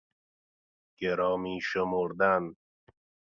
گرامی شمردن